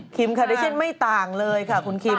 คาเดชั่นไม่ต่างเลยค่ะคุณคิม